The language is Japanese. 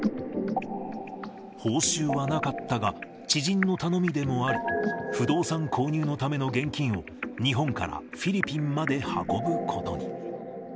報酬はなかったが、知人の頼みでもあり、不動産購入のための現金を、日本からフィリピンまで運ぶことに。